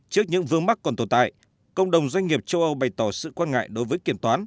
trước những vướng mắc còn tồn tại cộng đồng doanh nghiệp châu âu bày tỏ sự quan ngại đối với kiểm toán